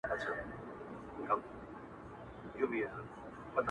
غله راغله بې ارزښته شيان يې ټول يو وړل له كوره!